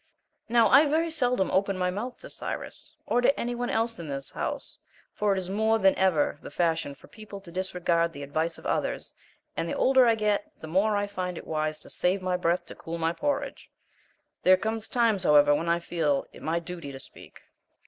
Now I very seldom open my mouth to Cyrus, or to any one else in this house, for it is more than ever the fashion for people to disregard the advice of others, and the older I get the more I find it wise to save my breath to cool my porridge there come times, however, when I feel it my duty to speak.